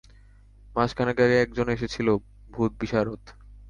মাসখানেক আগে একজন এসেছিল ভূতবিশারদ।